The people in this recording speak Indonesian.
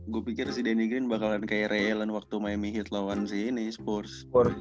gue pikir si danny green bakalan kayak ray allen waktu miami heat lawan si ini spurs